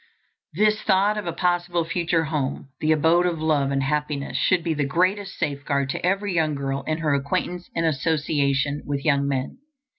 This thought of a possible future home, the abode of love and happiness, should be the greatest safeguard to every young girl in her acquaintance and association with young men.